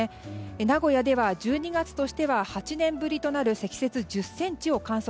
名古屋では１２月としては８年ぶりとなる積雪１０ｃｍを観測。